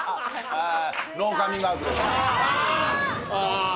ああ